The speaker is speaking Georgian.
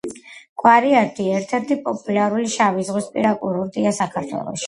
კვარიათი ერთ-ერთი პოპულარული შავიზღვისპირა კურორტია საქართველოში.